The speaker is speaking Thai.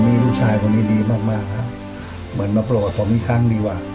ผมมีลูกชายคนที่ดีมากครับเหมือนมาปลอดภัยอีกครั้งดีอะ